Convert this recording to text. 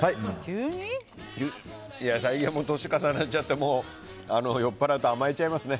最近は年を重ねちゃって酔っぱらうと甘えちゃいますね。